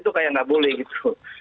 itu kayak nggak boleh gitu